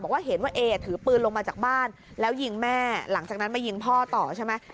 บอกว่าเห็นว่าเอถือปืนลงมาจากบ้านแล้วยิงแม่หลังจากนั้นมายิงพ่อต่อใช่ไหม